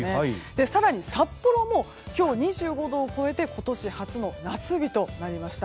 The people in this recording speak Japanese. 更に、札幌も今日２５度を超えて今年初の夏日となりました。